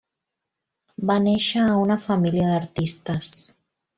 Va néixer a una família d'artistes.